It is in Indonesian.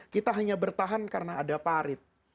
kita hanya bertahan karena ada parit